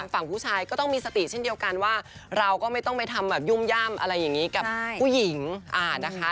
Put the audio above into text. ฝั่งผู้ชายก็ต้องมีสติเช่นเดียวกันว่าเราก็ไม่ต้องไปทำแบบยุ่มย่ำอะไรอย่างนี้กับผู้หญิงนะคะ